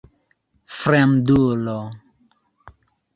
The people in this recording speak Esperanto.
fremdulo